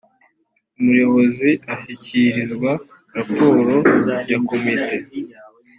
umuyobozi ashyikirizwa raporo ya komite